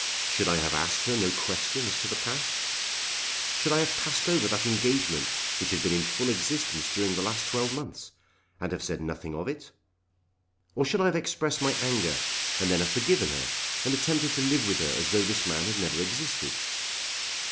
Should I have asked her no question as to the past? Should I have passed over that engagement which had been in full existence during the last twelve months, and have said nothing of it? Or should I have expressed my anger and then have forgiven her, and attempted to live with her as though this man had never existed?